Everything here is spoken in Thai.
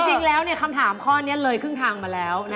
คำถามข้อนี้เลยครึ่งทางมาแล้ว